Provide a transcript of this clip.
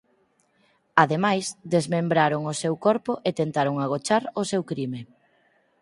Ademais desmembraron o seu corpo e tentaron agochar o seu crime.